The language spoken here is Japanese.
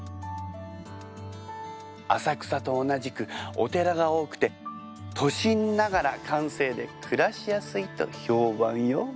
浅草と同じくお寺が多くて都心ながら閑静で暮らしやすいと評判よ。